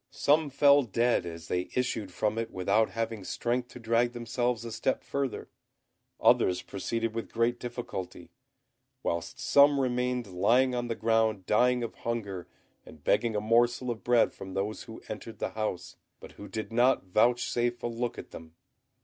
Some fell dead as they issued from it without having strength to drag themselves a step further; others proceeded with great difficulty; whilst some remained lying on the ground dying of hunger and begging a morsel of bread from those who entered the house, but who did not vouchsafe a look at them.